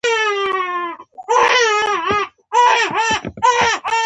زه ډېر شتمن یم ځکه چې ښه ملګري لرم.